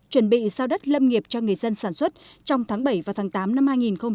chuẩn bị sao đất lâm nghiệp cho người dân sản xuất trong tháng bảy và tháng tám năm hai nghìn hai mươi